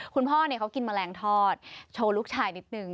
คุณพ่อเขากินแมลงทอดโชว์ลูกชายนิดนึง